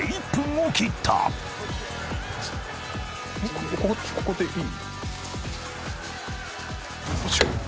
ここでいい？